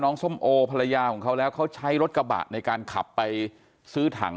ส้มโอภรรยาของเขาแล้วเขาใช้รถกระบะในการขับไปซื้อถัง